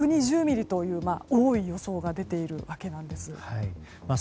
近畿・東海でも１２０ミリという多い予想が出ているわけなんです。